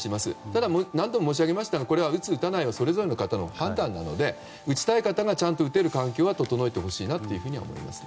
ただ、何度も申し上げましたが打つ、打たないはそれぞれの方の判断なので、打ちたい方がちゃんと打てる環境は整えてほしいなと思います。